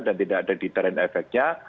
dan tidak ada deterren efeknya